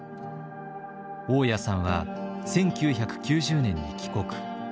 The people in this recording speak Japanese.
雄谷さんは１９９０年に帰国。